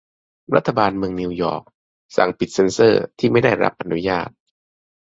รัฐบาลเมืองนิวยอร์ก สั่งปิดเซ็นเซอร์ที่ไม่ได้รับอนุญาต